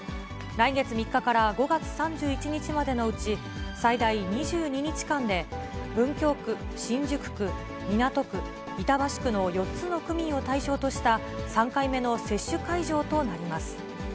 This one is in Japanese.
来月３日から５月３１日までのうち、最大２２日間で、文京区、新宿区、港区、板橋区の４つの区民を対象とした３回目の接種会場となります。